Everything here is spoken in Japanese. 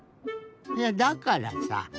いやだからさ